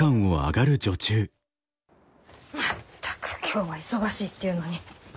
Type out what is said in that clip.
全く今日は忙しいっていうのに。